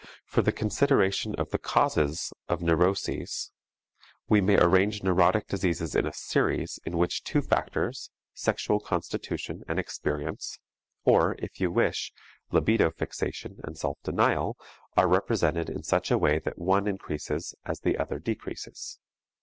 For the consideration of the causes of neuroses, we may arrange neurotic diseases in a series, in which two factors, sexual constitution and experience, or, if you wish, libido fixation and self denial, are represented in such a way that one increases as the other decreases.